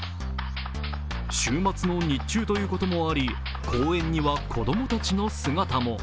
週末の日中ということもあり、公園には子供たちの姿も。